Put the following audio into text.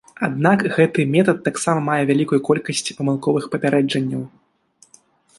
Аднак гэты метад таксама мае вялікую колькасць памылковых папярэджанняў.